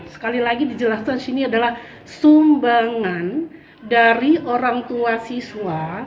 sekali lagi dijelaskan di sini adalah sumbangan dari orang tua siswa